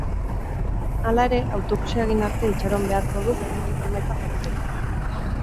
Hala ere, autopsia egin arte itxaron beharko da behin betiko emaitzak jakiteko.